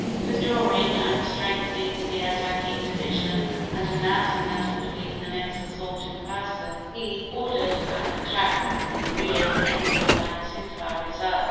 Withdrawing and strengthening the attacking division, and announcing that he would lead the next assault in person, he ordered an attack in the rear of the enemy by his entire reserve.